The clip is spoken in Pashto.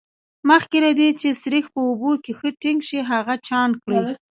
مخکې له دې چې سريښ په اوبو کې ښه ټینګ شي هغه چاڼ کړئ.